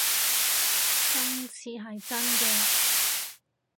今次係真嘅